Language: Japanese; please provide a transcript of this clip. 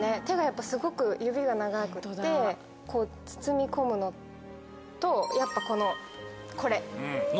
手がやっぱすごく指が長くって包み込むのとやっぱこのこれ。